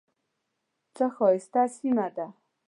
څه ښایسته سیمه ده .